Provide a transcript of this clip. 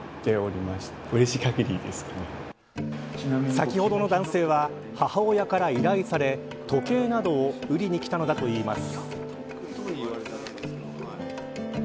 先ほどの男性は母親から依頼され時計などを売りに来たのだといいます。